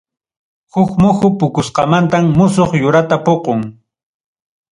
Huk muhu puqusqamantam musuq yurata puqun.